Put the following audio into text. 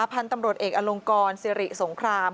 พันธุ์ตำรวจเอกอลงกรสิริสงคราม